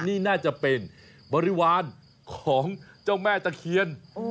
นี่น่าจะเป็นบริวารของเจ้าแม่ตะเคียน